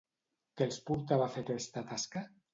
Què els portava a fer aquesta tasca?